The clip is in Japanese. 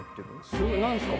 スゴい何ですか？